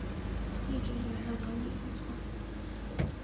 一直觉得文笔不错